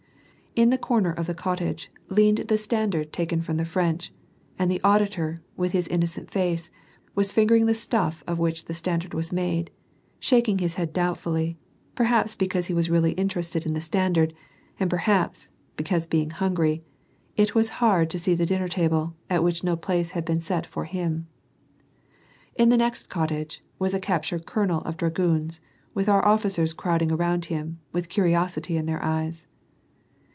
In the corner of the cottage, leaned the standard taken from the French, and the auditor, with his innocent face, was finger ing the stuff of which the standard was made, shaking his head doubtfully, perhai)S because he was really interested in the standard, and possibly, because being hungry, it was haini to see the dinner table, at which no place had been set for him. In the next cottage, was a captured colonel of dragoons, with our officers crowding around him, with curiosity iu their eyes.